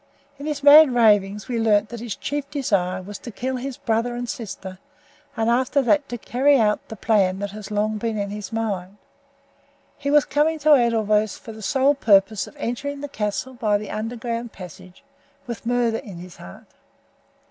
In his mad ravings we learned that his chief desire was to kill his brother and sister and after that to carry out the plan that has long been in his mind. He was coming to Edelweiss for the sole purpose of entering the castle by the underground passage, with murder in his heart.